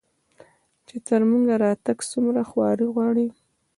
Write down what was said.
چې تر موږه راتګ څومره خواري غواړي